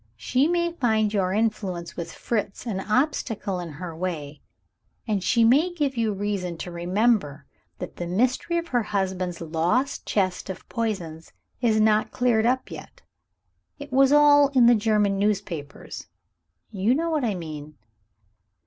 She may find your influence with Fritz an obstacle in her way and she may give you reason to remember that the mystery of her husband's lost chest of poisons is not cleared up yet. It was all in the German newspapers you know what I mean."